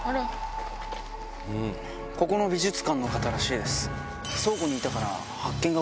ここの美術館の方らしいです。